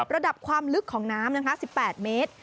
ระดับความลึกของน้ำ๑๘เมตร